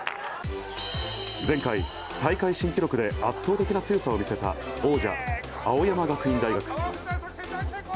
前回、大会新記録で圧倒的な強さを見せた、王者、青山学院大学。